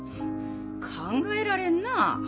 考えられんなあ。